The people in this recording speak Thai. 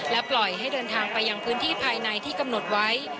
ปล่อยให้เดินทางไปยังพื้นที่ภายในที่กำหนดไว้